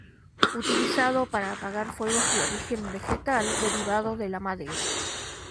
Utilizado para apagar fuegos de origen vegetal derivado de la madera.